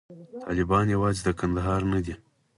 طالبان یوازې د کندهار نه دي.